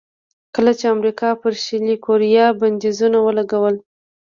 کله چې امریکا پر شلي کوریا بندیزونه ولګول.